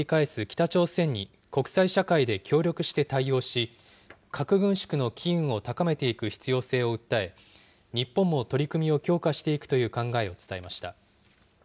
北朝鮮に、国際社会で協力して対応し、核軍縮の機運を高めていく必要性を訴え、日本も取り組みを強化していくという考えを伝えました。